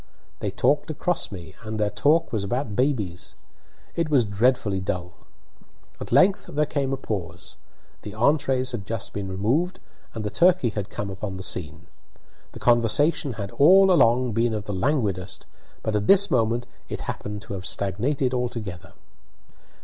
They talked across me, and their talk was about babies; it was dreadfully dull. At length there came a pause. The entrees had just been removed, and the turkey had come upon the scene. The conversation had all along been of the languidest, but at this moment it happened to have stagnated altogether.